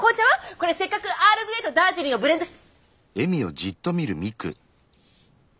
これせっかくアールグレイとダージリンをブレンドし。